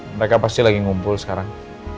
mereka pasti lagi ngumpul sekarang